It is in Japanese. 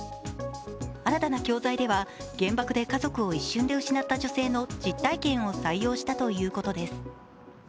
新たな教材では、原爆で家族を一瞬で失った女性の実体験を採用したということです。